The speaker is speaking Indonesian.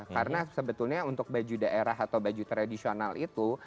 karena sebetulnya untuk baju daerah atau baju tradisional itu